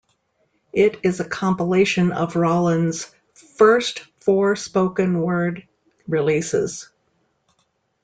It is a compilation of Rollins' first four spoken-word releases.